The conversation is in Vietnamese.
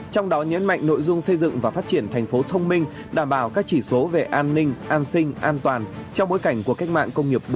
trong đó nhấn mạnh nội dung xây dựng và phát triển thành phố thông minh đảm bảo các chỉ số về an ninh an sinh an toàn trong bối cảnh của cách mạng công nghiệp bốn